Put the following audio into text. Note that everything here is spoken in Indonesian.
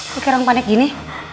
kira kira panik gini